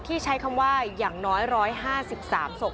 ใช้คำว่าอย่างน้อย๑๕๓ศพ